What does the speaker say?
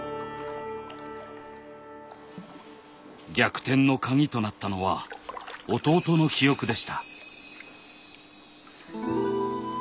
「逆転」の鍵となったのは弟の記憶でした。